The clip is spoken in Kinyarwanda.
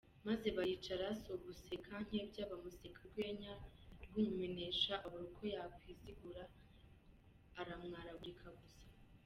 Maze baricara si uguseka Nkebya! Bamuseka urwenya rw’urumenesha, abura uko yakwizigura aramwaragurika gusa.